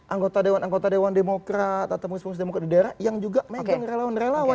anggota dewan anggota dewan demokrat atau musmus demokrat di daerah yang juga megang relawan relawan